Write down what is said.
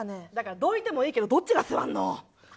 どいてもいいけどどっちが座るの。